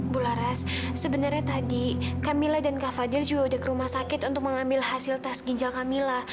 bu laras sebenarnya tadi camilla dan kak fadil juga udah ke rumah sakit untuk mengambil hasil tes ginjal camilla